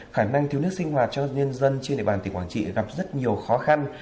khả năng cứu nước sinh hoạt cho nhân dân trên địa bàn tỉnh quảng trị gặp rất nhiều khó khăn